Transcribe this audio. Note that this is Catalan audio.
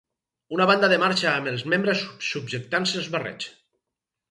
Una banda de marxa amb els membres subjectant-se els barrets.